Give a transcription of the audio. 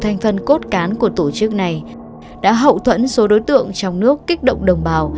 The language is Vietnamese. thành phần cốt cán của tổ chức này đã hậu thuẫn số đối tượng trong nước kích động đồng bào